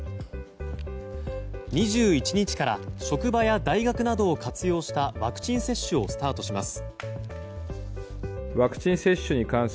２１日から職場や大学などを活用したワクチン接種をスタートします。